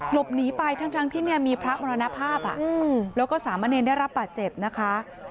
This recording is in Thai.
หลบหนีไปทั้งที่เนี่ยมีพระมรณภาพแล้วก็สามะเนรได้รับบาดเจ็บนะคะ